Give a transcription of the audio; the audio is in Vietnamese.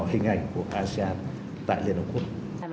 hình ảnh của asean tại liên hợp quốc